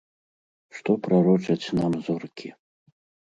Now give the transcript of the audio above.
Што прарочаць нам зоркі?